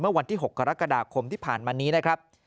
วันที่๖กรกฎาคมที่ผ่านมานี้นะครับ